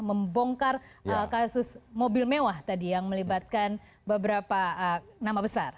membongkar kasus mobil mewah tadi yang melibatkan beberapa nama besar